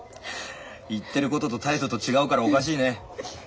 言ってることと態度と違うからおかしいね。